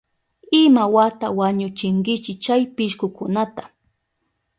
¿Imawata wañuchinkichi chay pishkukunata?